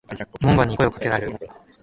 門番に声を掛けられる。